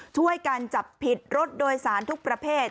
ช่วยกันจับผิดรถโดยสารทุกประเภท